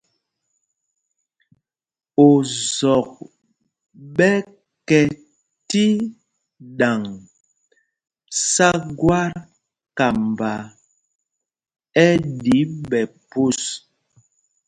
Ozɔk ɓɛ kɛ tí ɗaŋ sá gwát, kamba ɛ́ ɗí ɓɛ̌ phūs.